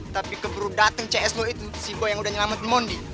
tapi keberudatan cs lu itu si boy yang udah nyelamatin mondi